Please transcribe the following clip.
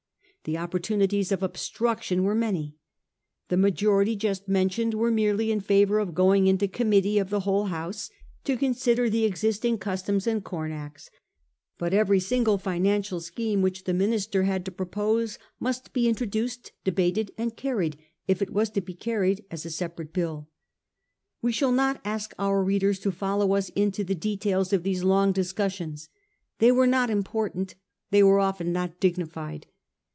The opportunities of obstruction were many. The majority just mentioned was merely in favour of going into committee of the whole house to consider the existing Customs and Com Acts ; but every single financial scheme which the minister had to propose must be introduced, debated and carried, if it was to be carried, as a separate bill. We shall not ask our readers to follow us into the details of these long discussions. They were not important ; they were often not dignified.